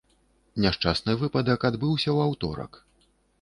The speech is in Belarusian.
Няшчасны выпадак адбыўся ў аўторак.